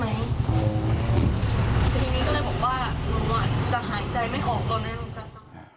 หายใจไม่ออกแล้ว